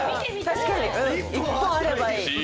確かに１本あればいい。